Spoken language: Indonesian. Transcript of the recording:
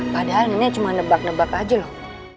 padahal ini cuma nebak nebak aja loh